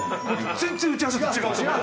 全然打ち合わせと違う。